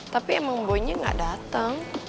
tapi emang boynya gak dateng